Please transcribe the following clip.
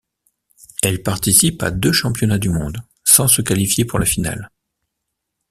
Elle participe à deux Championnats du monde, sans se qualifier pour la finale.